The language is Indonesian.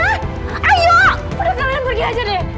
ayo perut kalian pergi aja deh